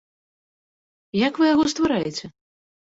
Як вы яго ствараеце?